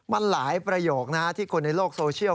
มันหลายประโยคนะที่คนในโลกโซเชียล